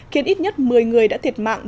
khiến ít nhất một mươi người đã thiệt mạng